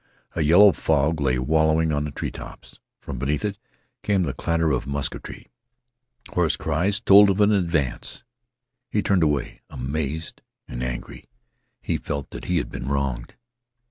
A yellow fog lay wallowing on the treetops. From beneath it came the clatter of musketry. Hoarse cries told of an advance. He turned away amazed and angry. He felt that he had been wronged.